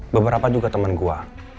beberapa juga temen gue